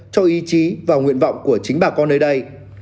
cho ý chí và nguyện vọng của chính bà con nơi đây